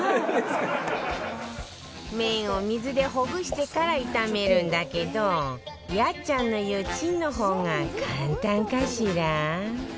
麺を水でほぐしてから炒めるんだけどやっちゃんの言うチンの方が簡単かしら？